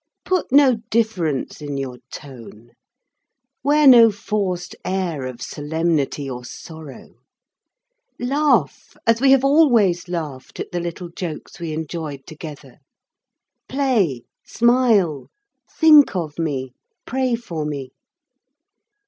Put no difference into your tone. Wear no forced air of solemnity or sorrow. Laugh as we always laughed at the little jokes that we enjoyed together. Play, smile, think of me, pray for me.